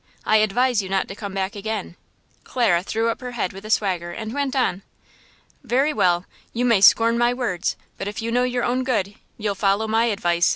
I advise you not to come back again!" Clara threw up her head with a swagger, and went on. "Very well, you may scorn my words, but if you know your own good you'll follow my advice!"